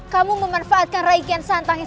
kamu bisa bisa menggunakan raih study yang